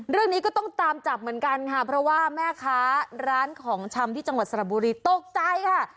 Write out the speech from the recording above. เรื่องนี้ก็ต้องตามจับเหมือนกันค่ะเพราะว่าแม่ค้าร้านของชำที่จังหวัดสระบุรีตกใจค่ะ